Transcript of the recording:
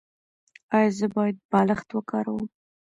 ایا زه باید بالښت وکاروم؟